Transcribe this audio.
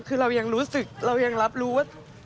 คือเรายังรู้สึกเรายังรับรู้ว่า